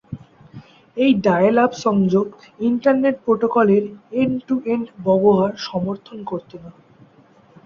এই ডায়েল-আপ সংযোগ internet protocol এর এন্ড-টু-এন্ড ব্যবহার সমর্থন করত না।